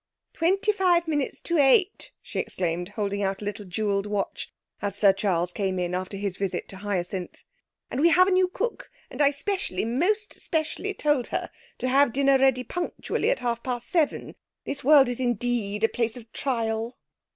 'Twenty five minutes to eight!' she exclaimed, holding out a little jewelled watch, as Sir Charles came in after his visit to Hyacinth. 'And we have a new cook, and I specially, most specially told her to have dinner ready punctually at half past seven! This world is indeed a place of trial!'